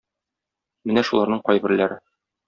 Менә шуларның кайберләре.